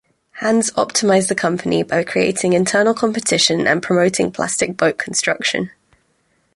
Hans optimized the company by creating internal competition and promoting plastic boat construction.